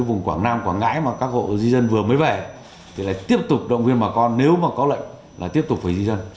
vùng quảng nam quảng ngãi mà các hộ di dân vừa mới về thì lại tiếp tục động viên bà con nếu mà có lệnh là tiếp tục phải di dân